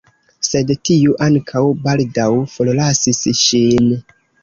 Sed tiu ankaŭ baldaŭ forlasis ŝin.